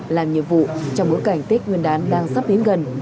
làm nhiệm vụ trong bối cảnh tết nguyên đán đang sắp đến gần